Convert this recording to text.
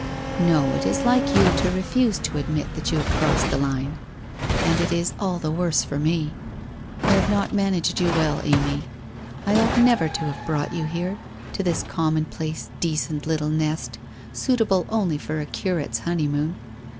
' No, it is like you to refuse to admit that you have crossed the line. And it is all the worse for me. I have not managed you well. Amy. I ought never to have brought you here, to this commonplace, decent, little nest, suitable only for a curate's honeymoon.